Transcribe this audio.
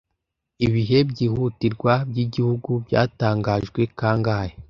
Ibihe byihutirwa byigihugu byatangajwe kangahe